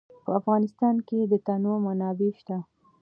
په افغانستان کې د تنوع منابع شته.